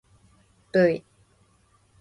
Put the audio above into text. ｖ